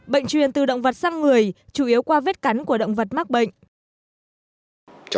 bệnh truyền từ động vật sang người chủ yếu qua vết cắn của động vật mắc bệnh